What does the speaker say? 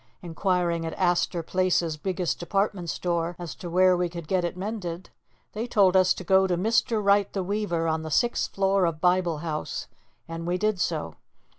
Inquiring at Astor Place's biggest department store as to where we could get it mended, they told us to go to "Mr. Wright the weaver" on the sixth floor of Bible House, and we did so.